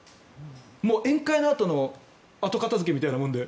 もう宴会のあとの後片付けみたいなもので。